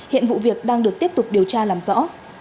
hiện vụ việc đang được tiếp tục điều tra làm rõ